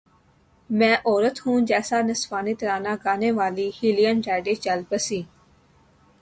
میں عورت ہوں جیسا نسوانی ترانہ گانے والی ہیلن ریڈی چل بسیں